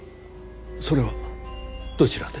それはどちらで？